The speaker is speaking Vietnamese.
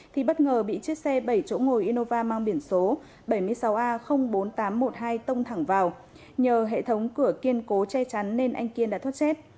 thì bất ngờ bị chiếc xe bảy chỗ ngồi innova mang biển số bảy mươi sáu a bốn nghìn tám trăm một mươi hai tông thẳng vào nhờ hệ thống cửa kiên cố che chắn nên anh kiên đã thoát chết